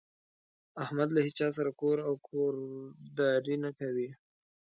احمد له هيچا سره کور او کورداري نه کوي.